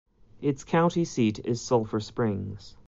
Its county seat is Sulphur Springs.